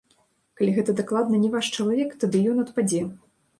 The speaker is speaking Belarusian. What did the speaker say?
Калі гэта дакладна не ваш чалавек, тады ён адпадзе.